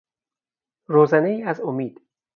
روزنهای از امید